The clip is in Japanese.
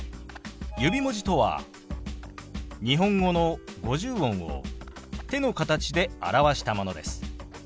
指文字とは日本語の五十音を手の形で表したものです。